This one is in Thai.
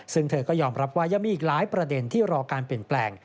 ซึ่งเธอก็ยอมรับว่ายังมีอีกหลายประเด็นที่รอการเปลี่ยนแปลง